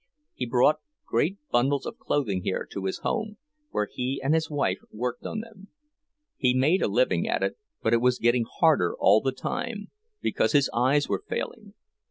He brought great bundles of clothing here to his home, where he and his wife worked on them. He made a living at it, but it was getting harder all the time, because his eyes were failing.